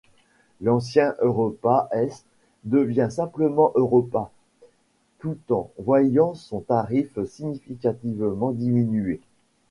L'ancienne Europa S devient simplement Europa, tout en voyant son tarif significativement diminué.